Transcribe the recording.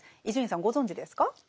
伊集院さんご存じですか？